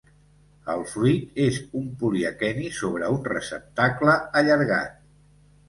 El fruit és un poliaqueni sobre un receptacle allargat.